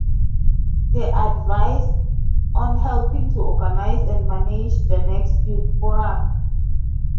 They advised on helping to organize and manage the next youth forum.